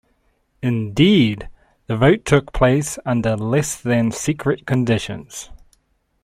Indeed, the vote took place under less-than-secret conditions.